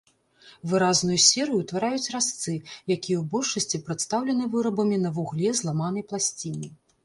Выразную серыю ўтвараюць разцы, якія ў большасці прадстаўлены вырабамі на вугле зламанай пласціны.